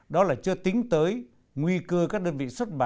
đó là chưa tính tới nguy cơ các đơn vị xuất bản